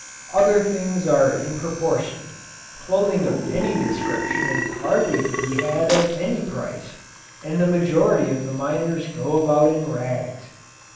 Other things are in proportion. Clothing of any description is hardly to be had at any price, and the majority of the miners go about in rags.